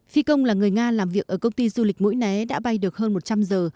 phi công là người nga làm việc ở công ty du lịch mũi né đã bay được hơn một trăm linh giờ